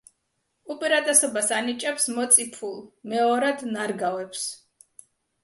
უპირატესობას ანიჭებს მოწიფულ მეორად ნარგავებს.